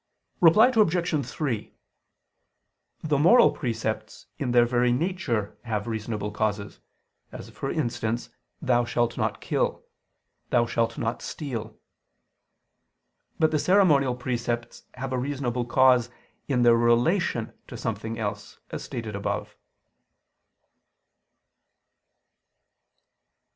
Reply Obj. 3: The moral precepts in their very nature have reasonable causes: as for instance, "Thou shalt not kill," "Thou shalt not steal." But the ceremonial precepts have a reasonable cause in their relation to something else, as stated above.